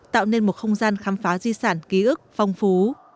tạo nên một không gian khám phá di sản ký ức phong phú